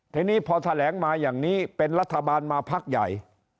ทีนี้พอแถลงมาอย่างนี้เป็นรัฐบาลมาพักใหญ่